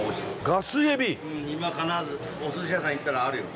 お寿司屋さん行ったらあるよ。